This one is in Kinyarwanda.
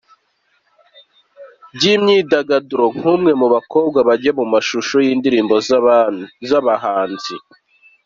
by’imyidagaduro nk’umwe mu bakobwa bajya mu mashusho y’indirimbo z’abahanzi,